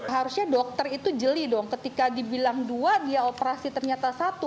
harusnya dokter itu jeli dong ketika dibilang dua dia operasi ternyata satu